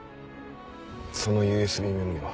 そのＵＳＢメモリーは？